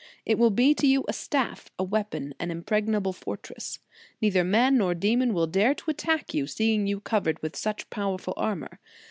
It will be to you a staff, a weapon, an impregnable fortress. Neither man nor demon will dare to attack you, seeing you covered with such powerful armor.